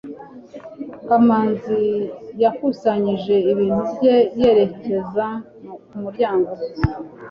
kamanzi yakusanyije ibintu bye yerekeza ku muryango